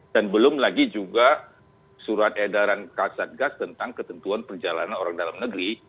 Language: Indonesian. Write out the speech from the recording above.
dan belum lagi juga surat edaran kasat gas tentang ketentuan perjalanan orang dalam negeri